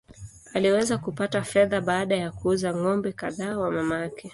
Aliweza kupata fedha baada ya kuuza ng’ombe kadhaa wa mamake.